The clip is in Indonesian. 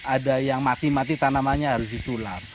ada yang mati mati tanamannya harus ditular